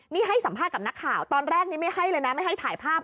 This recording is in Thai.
นี่ให้สัมภาษณ์กับนักข่าวตอนแรกนี้ไม่ให้เลยนะไม่ให้ถ่ายภาพ